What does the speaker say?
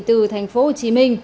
từ thành phố hồ chí minh